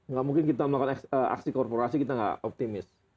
gak mungkin kita melakukan aksi korporasi kita gak optimis